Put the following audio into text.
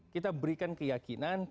kita berikan keyakinan